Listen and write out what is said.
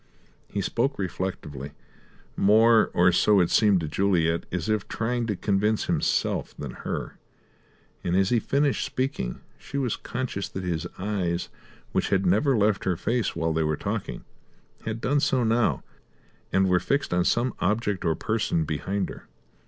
He spoke reflectively; more, or so it seemed to Juliet, as if trying to convince himself than her; and as he finished speaking, she was conscious that his eyes, which had never left her face while they were talking, had done so now, and were fixed on some object or person behind her.